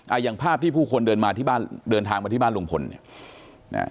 อย่างภาพที่ผู้คนเดินมาที่บ้านเดินทางมาที่บ้านลุงพลเนี้ยอ่า